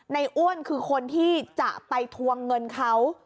อ้วนคือคนที่จะไปทวงเงินเขา